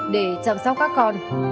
để chăm sóc các con